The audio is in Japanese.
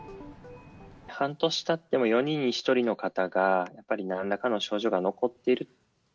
半年たっても４人に１人の方が、やっぱりなんらかの症状が残っている。